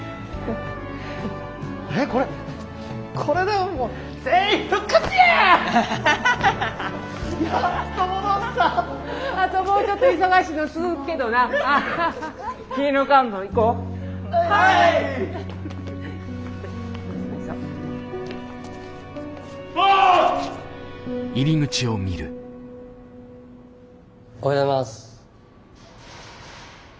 おはようございます。